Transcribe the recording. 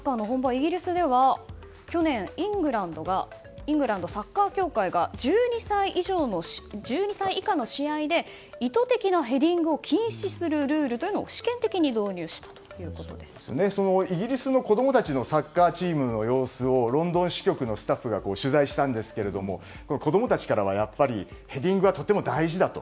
イギリスでは去年イングランドサッカー協会が１２歳以下の試合で意図的なヘディングを禁止するルールをそのイギリスの子供たちのサッカーチームの様子をロンドン支局員のスタッフが取材したんですが子供たちからはヘディングはとても大事だと。